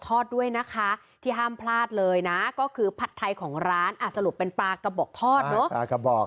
ทอดด้วยนะคะที่ห้ามพลาดเลยน่ะก็คือผัดไทยของร้านอาสรุเป็นปลากระบอกทอดกับอาบบอก